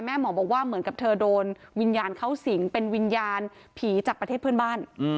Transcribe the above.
หมอบอกว่าเหมือนกับเธอโดนวิญญาณเข้าสิงเป็นวิญญาณผีจากประเทศเพื่อนบ้าน